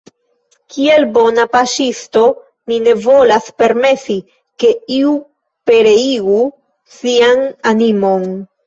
Kiel bona paŝtisto, mi ne volas permesi, ke iu pereigu sian animon.